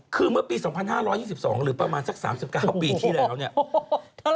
คือเมื่อปี๒๕๒๒หรือประมาณสัก๓๙ปีที่แล้วเนี่ย